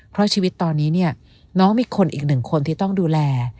เพราะชีวิตตอนนี้เนี่ยน้องมีคนอีกหนึ่งคนที่ต้องดูแล